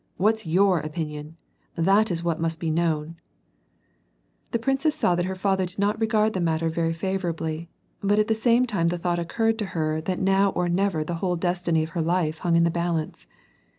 What's t/our opinion ? That is what must be known/' The princess saw that her father did not regard the matter very favorably, but at the same time the thought occurred to her that now or never the whole destiny of her life hung in the balance.